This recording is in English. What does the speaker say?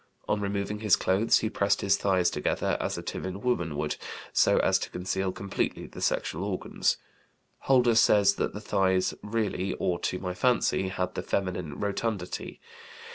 On removing his clothes he pressed his thighs together, as a timid woman would, so as to conceal completely the sexual organs; Holder says that the thighs "really, or to my fancy," had the feminine rotundity.